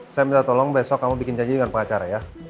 saya minta tolong besok kamu bikin janji dengan pengacara ya